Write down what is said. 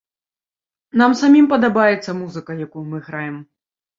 Нам самім падабаецца музыка, якую мы граем.